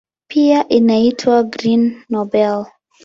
Pia inaitwa "Green Nobel".